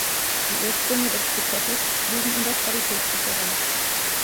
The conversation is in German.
Die Ursprünge des Prozesses liegen in der Qualitätssicherung.